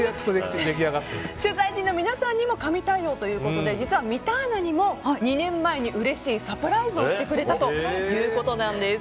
取材陣の皆さんにも神対応ということで実は三田アナにも２年前にうれしいサプライズをしてくれたということなんです。